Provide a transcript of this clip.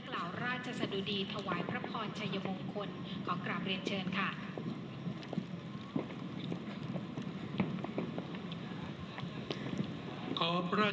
กล่าวราชสะดุดีถวายพระพรชัยมงคลขอกราบเรียนเชิญค่ะ